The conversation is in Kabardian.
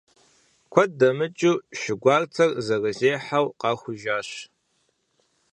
Куэд дэмыкӀыу, шы гуартэр зэрызехьэу къахужащ.